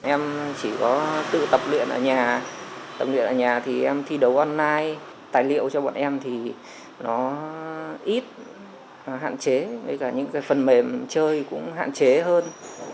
em chỉ có tự tập luyện ở nhà tập luyện ở nhà thì em thi đấu online tài liệu cho bọn em thì nó ít hạn chế với cả những phần mềm chơi cũng hạn chế hơn